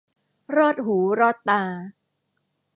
รอดหูรอดตา